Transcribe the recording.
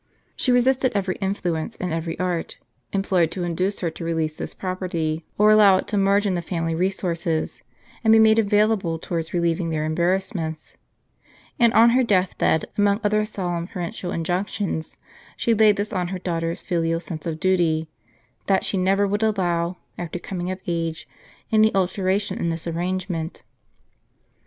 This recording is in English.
She resisted every influence, and every art, employed to induce her to release this property, or allow it to merge in the family resources, and be made available towards relieving their embarrassments. And on her death bed, among other solemn parental injunctions, she laid this on her daughter's filial sense of duty, that she never would allow, after coming of age, any alteration in this arrange ment.